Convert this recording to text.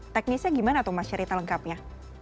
teknisnya gimana tuh mas riri telengkapnya